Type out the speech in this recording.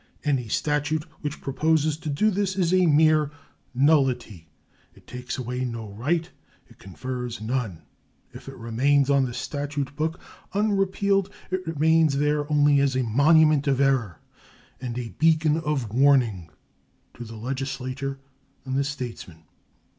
Any statute which proposes to do this is a mere nullity; it takes away no right, it confers none. If it remains on the statute book unrepealed, it remains there only as a monument of error and a beacon of warning to the legislator and the statesman.